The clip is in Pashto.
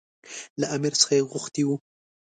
له امیر څخه یې غوښتي وو.